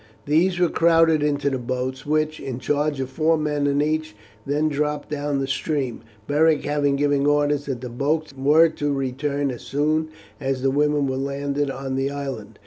These were crowded into the boats, which, in charge of four men in each, then dropped down the stream, Beric having given orders that the boats were to return as soon as the women were landed on the island.